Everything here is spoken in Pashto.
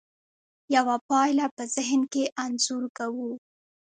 یوه پایله په ذهن کې انځور کوو.